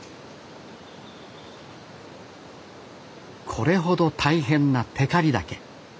これほど大変な光岳。